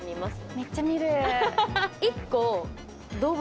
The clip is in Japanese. めっちゃ見る。